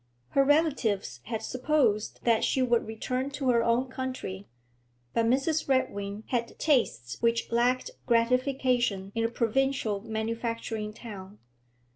Her relatives had supposed that she would return to her own country, but Mrs. Redwing had tastes which lacked gratification in a provincial manufacturing town.